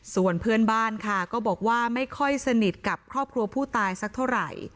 ส่วนเพื่อนบ้านค่ะก็บอกว่าไม่ค่อยสนิทกับครอบครัวผู้ตายสักเท่าไหร่